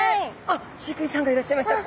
あっ飼育員さんがいらっしゃいました。